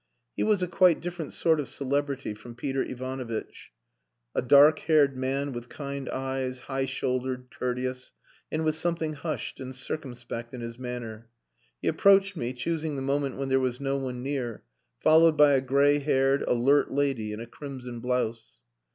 He was a quite different sort of celebrity from Peter Ivanovitch a dark haired man with kind eyes, high shouldered, courteous, and with something hushed and circumspect in his manner. He approached me, choosing the moment when there was no one near, followed by a grey haired, alert lady in a crimson blouse.